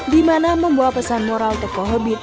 di mana membawa pesan moral tokoh hobi